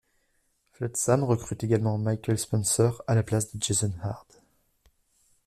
Flotsam recrute également Michael Spencer à la place de Jason Ward.